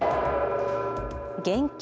現金